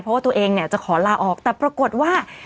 เพราะว่าตัวเองเนี่ยจะขอลาออกแต่ปรากฏว่า